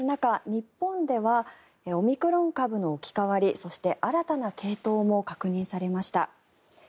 日本ではオミクロン株の置き換わりそして、新たな系統も確認されました。